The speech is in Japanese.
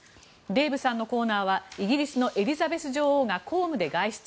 デーブさんのコーナーはイギリスのエリザベス女王が公務で外出。